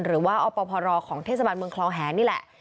หรือว่าอพรของเทศบาลเมืองคลองแหนี่แหละ